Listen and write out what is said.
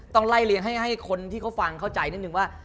ต้องไล่เลี้ยงให้คนที่เขาฟังเข้าใจนิดนึงว่า